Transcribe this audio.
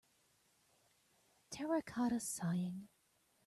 Terracotta Sighing